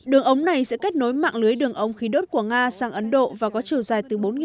đường ống này sẽ kết nối mạng lưới đường ống khí đốt của nga sang ấn độ và có chiều dài từ bốn năm trăm linh đến sáu km